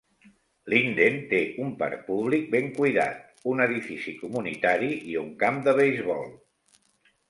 Linden té un parc públic ben cuidat, un edifici comunitari i un camp de beisbol.